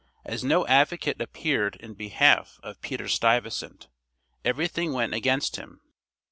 As no advocate appeared in behalf of Peter Stuyvesant, everything went against him.